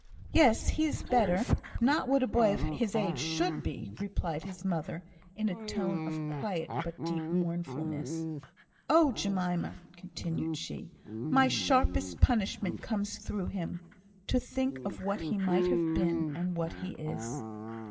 "Yes, he is better. Not what a boy of his age should be," replied his mother, in a tone of quiet but deep mournfulness. "Oh, Jemima!" continued she, "my sharpest punishment comes through him. To think what he might have been, and what he is!"